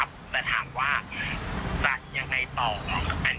ก็คิดก็ต้องตามนั้นนะพี่แจง